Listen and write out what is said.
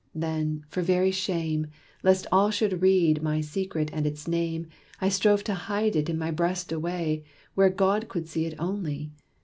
Then, for very shame, Lest all should read my secret and its name. I strove to hide it in my breast away, Where God could see it only.